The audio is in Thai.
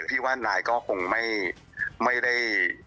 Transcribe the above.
พี่ว่านายก็คงไม่ได้